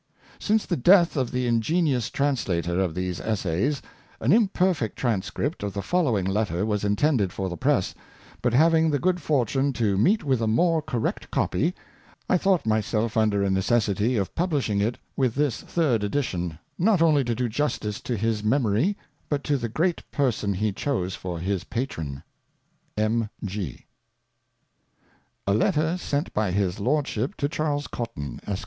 ^Ince the Death of the Ingenious Translator of these Essays, an im perfect Transcript of the following Letter was intended for the Press, but having the good fortune to meet with a more correct Copy, I thought my self under a necessity of Publishing it with this Third Edition, not only to do Justice to his Memory, but to the Great Person he Chose for his Patron. M. G. i85 ■A Letter sent by his Lordship to Charles Cotton, Esq.